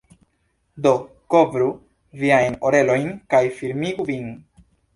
Do kovru viajn orelojn kaj ﬁrmigu vin.